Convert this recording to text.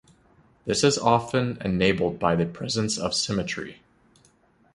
This is often enabled by the presence of symmetry.